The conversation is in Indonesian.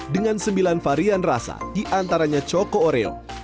dengan sembilan varian rasa diantaranya choco oreo